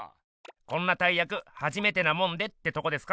こんな大やくはじめてなもんでってとこですか？